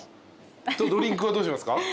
ドリンクはどうしますか？